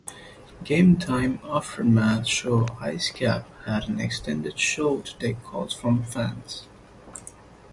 Gametime aftermath show Ice Cap had an extended show to take calls from fans.